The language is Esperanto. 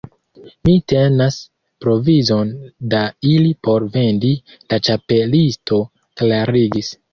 "Mi tenas provizon da ili por vendi," la Ĉapelisto klarigis.